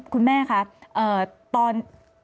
คุณแม่คะตอน